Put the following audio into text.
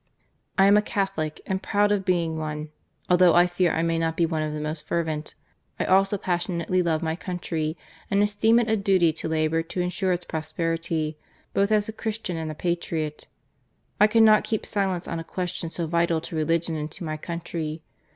I am a Catholic and proud of being one, although I fear I may not be one of the most fervent. I also passionately love my country and esteeni it a duty to labour to ensure its prosperity. Both as a Christian and a patriot, I cannot keep silence on a question so vital to religion and to my country.